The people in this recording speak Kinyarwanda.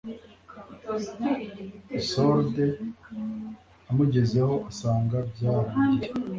Isolde amugezeho asanga byarangiye